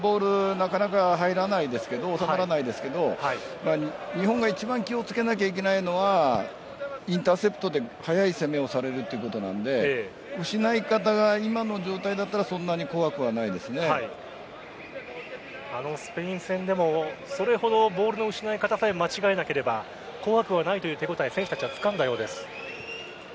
なかなか入らないですが収まらないですが日本が一番気を付けなきゃいけないのはインターセプトで速い攻めをされるということなので失い方が、今の状態だとあのスペイン戦でもそれほどボールの失い方さえ間違えなければ怖くはないという手応え選手たちはつかんだようです。